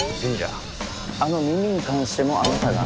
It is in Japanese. あの耳に関してもあなたが？